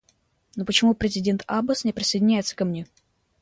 Но почему президент Аббас не присоединяется ко мне?